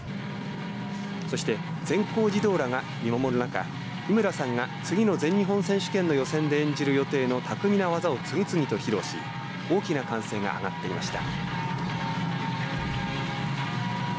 そして全校児童らが見守る中三村さんが次の全日本選手権の予選で演じる予定の巧みな技を次々と披露し大きな歓声が上がっていました。